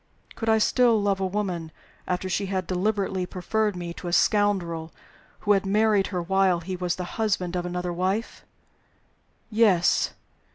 Could I still love a woman after she had deliberately preferred to me a scoundrel who had married her while he was the husband of another wife? Yes!